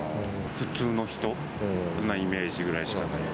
普通の人なイメージぐらいしかない。